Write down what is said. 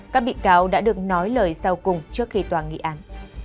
các bị cáo đã được nói lời sau cùng trước khi tòa nghị án